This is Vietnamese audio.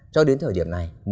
cho đến thời điểm này